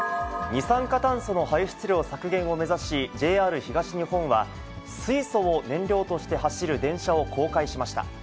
二酸化炭素の排出量削減を目指し、ＪＲ東日本は、水素を燃料として走る電車を公開しました。